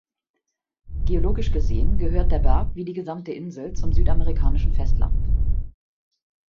Geologisch gesehen gehört der Berg wie die gesamte Insel zum südamerikanischen Festland.